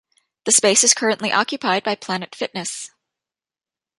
The space is currently occupied by Planet Fitness.